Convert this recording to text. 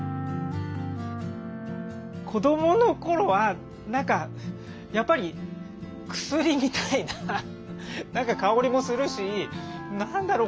子供のころは何かやっぱり薬みたいな何か香りもするし何だろう